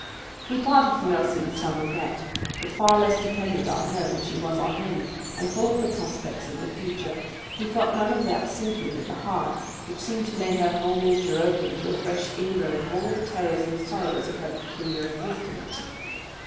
He parted from Elsie with some regret; but, far less dependent on her than she was on him, and full of the prospects of the future, he felt none of that sinking at the heart which seemed to lay her whole nature open to a fresh inroad of all the terrors and sorrows of her peculiar existence.